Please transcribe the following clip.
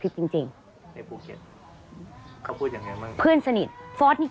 เพื่อที่จะได้หายป่วยทันวันที่เขาชีจันทร์จังหวัดชนบุรี